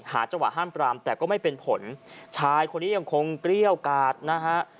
จังหวะห้ามปรามแต่ก็ไม่เป็นผลชายคนนี้ยังคงเกลี้ยวกาดนะฮะ